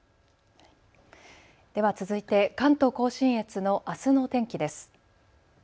では続いて関東甲信越のあすの天気です。